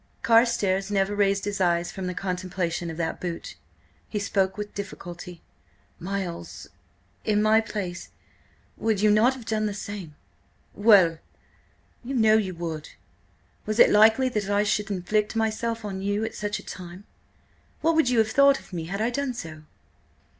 Carstares never raised his eyes from the contemplation of that boot. He spoke with difficulty. "Miles–in my place–would you not have done the same?" "Well—" "You know you would. Was it likely that I should inflict myself on you at such a time? What would you have thought of me had I done so?"